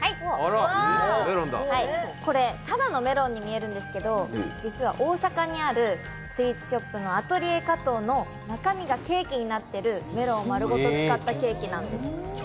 これ、ただのメロンに見えるんですけど実は大阪にあるスイーツショップのＡＴＥＬＩＥＲＫＡＴＯの中身がケーキになっているメロンをまるごと使ったケーキなんです。